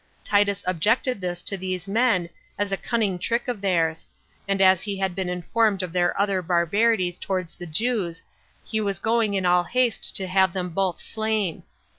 Titus objected this to these men, as a cunning trick of theirs; and as he had been informed of their other barbarities towards the Jews, he was going in all haste to have them both slain.